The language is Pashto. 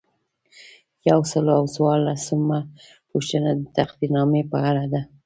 یو سل او څوارلسمه پوښتنه د تقدیرنامې په اړه ده.